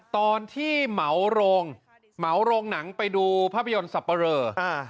ตอนที่เหมาโรงหนังไปดูภาพยนต์สับประเริ่ม